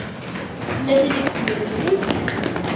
Tella tin i yessnen mmi-s?